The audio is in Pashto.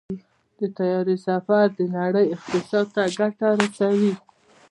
د طیارې سفر د نړۍ اقتصاد ته ګټه رسوي.